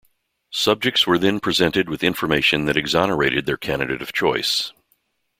Subjects were then presented with information that exonerated their candidate of choice.